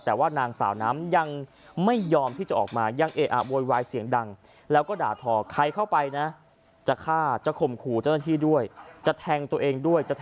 แต่ว่านางสาวน้ำยังไม่ยอมที่จะออกมายังเอ๋อโวยไว้เสียงดัง